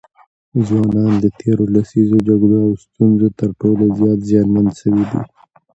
ځوانان د تېرو لسیزو جګړو او ستونزو تر ټولو زیات زیانمن سوي دي.